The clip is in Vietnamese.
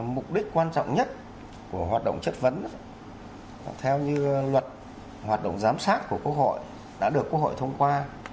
mục đích quan trọng nhất của hoạt động chất vấn theo như luật hoạt động giám sát của quốc hội đã được quốc hội thông qua